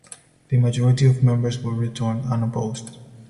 The majority of members were returned unopposed.